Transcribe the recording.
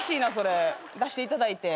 出していただいて。